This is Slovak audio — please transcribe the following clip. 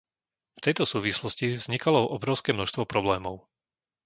V tejto súvislosti vznikalo obrovské množstvo problémov.